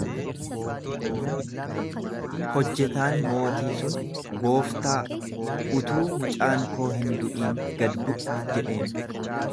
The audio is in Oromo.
Hojjetaan mootii sun, Gooftaa, utuu mucaan koo hin du'in gad bu'i jedheen.